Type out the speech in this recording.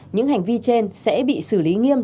những hành vi trên sẽ bị xử lý nghiêm